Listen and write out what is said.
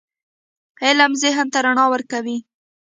علم ذهن ته رڼا ورکوي.